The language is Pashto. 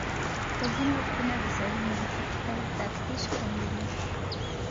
خو ځینې وختونه د سړي منطق تر تفتيش قوي وي.